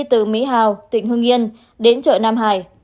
từ mỹ hào tỉnh hương yên đến chợ nam